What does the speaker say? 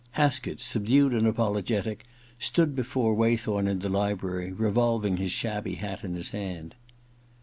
* Haskett, subdued and apologetic, stood before Waythorn in the library, revolving his shabby hat in his hand.